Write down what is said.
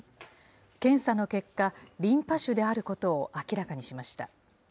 検査の結果、リンパ腫であることを明らかにしました。